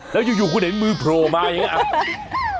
แล้วอยู่คุณเห็นมือโผล่มาอย่างนี้